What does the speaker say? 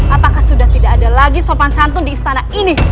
apakah sudah tidak ada lagi sopan santun di istana ini